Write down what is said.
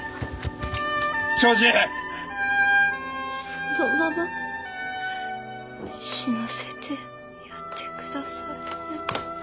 そのまま死なせてやって下さい。